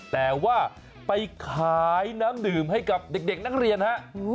แต่ว่าไปขายน้ำดื่มให้กับเด็กนักเรียนฮะ